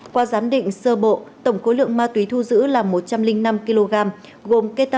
qua giám định sơ bộ tổng khối lượng ma túy thu giữ là một trăm linh năm kg